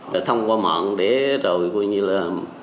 rồi thông qua mạng để rồi vui như là